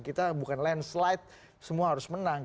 kita bukan landslide semua harus menang